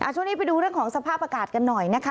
ช่วงนี้ไปดูเรื่องของสภาพอากาศกันหน่อยนะคะ